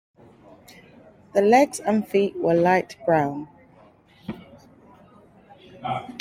The legs and feet were light brown.